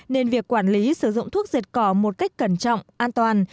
nên việc quản lý sử dụng thuốc diệt cỏ một cách cẩn trọng an toàn